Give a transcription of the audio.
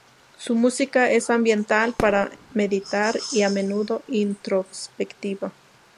Su música es ambiental, para meditar y a menudo introspectiva.